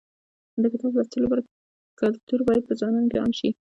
د کتاب لوستلو کلتور باید په ځوانانو کې عام شي.